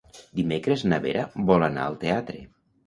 Dimecres na Vera vol anar al teatre.